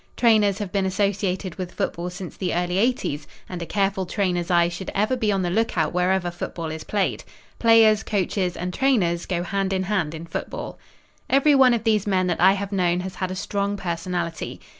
Trainers have been associated with football since the early eighties, and a careful trainer's eye should ever be on the lookout wherever football is played. Players, coaches and trainers go hand in hand in football. Every one of these men that I have known has had a strong personality.